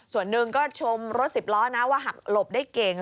ส่วนหนึ่งก็ชมรถสิบล้อนะว่าหักหลบได้เก่ง